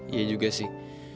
iya juga sih